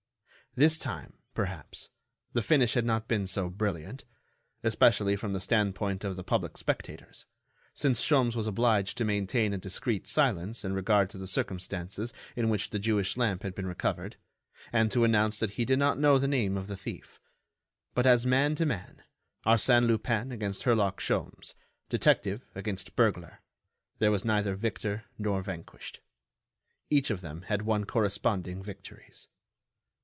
This time, perhaps, the finish had not been so brilliant, especially from the standpoint of the public spectators, since Sholmes was obliged to maintain a discreet silence in regard to the circumstances in which the Jewish lamp had been recovered, and to announce that he did not know the name of the thief. But as man to man, Arsène Lupin against Herlock Sholmes, detective against burglar, there was neither victor nor vanquished. Each of them had won corresponding victories.